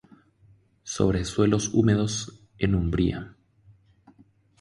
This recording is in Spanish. Sobre suelos húmedos, en umbría.